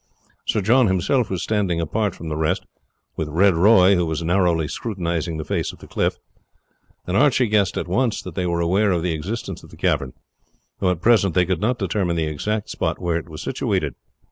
Sir John himself was standing apart from the rest, with Red Roy, who was narrowly scrutinizing the face of the cliff, and Archie guessed at once that they were aware of the existence of the cavern, though at present they could not determine the exact spot where it was situated.